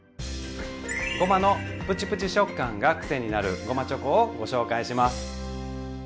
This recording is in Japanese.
ごまのプチプチ食感がくせになるごまチョコをご紹介します。